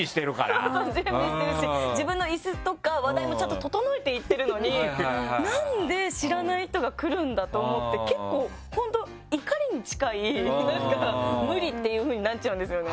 そうそう準備してるし自分の椅子とか話題もちゃんと整えて行ってるのになんで知らない人が来るんだと思って結構本当怒りに近い無理っていうふうになっちゃうんですよね。